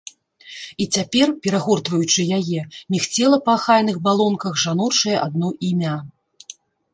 І цяпер, перагортваючы яе, мігцела па ахайных балонках жаночае адно імя.